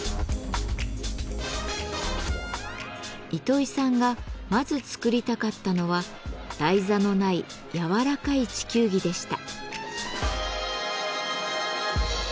糸井さんがまず作りたかったのは台座のないやわらかい地球儀でした。